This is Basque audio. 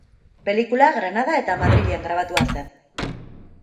Pelikula Granada eta Madrilen grabatua zen.